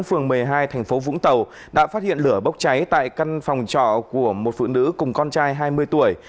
phường một mươi hai thành phố vũng tàu đã phát hiện lửa bốc cháy tại căn phòng trọ của một phụ nữ cùng con trai hai mươi tuổi